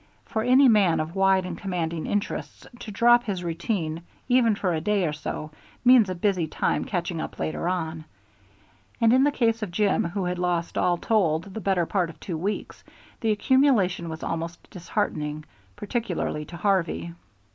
For any man of wide and commanding interests to drop his routine even for a day or so means a busy time catching up later on; and in the case of Jim, who had lost all told the better part of two weeks, the accumulation was almost disheartening, particularly to Harvey.